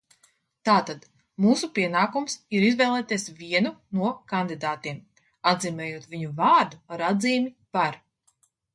"Tātad mūsu pienākums ir izvēlēties vienu no kandidātiem, atzīmējot viņa vārdu ar atzīmi "par"."